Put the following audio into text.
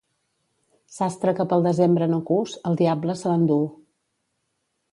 Sastre que pel desembre no cus, el diable se l'enduu.